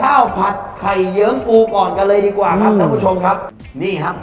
ข้าวผัดไข่เยิ้มปูก่อนกันเลยดีกว่าครับท่านผู้ชมครับนี่ครับ